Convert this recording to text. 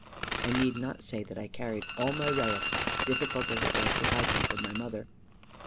I need not say that I carried all my relics, difficult as it was to hide them from my mother.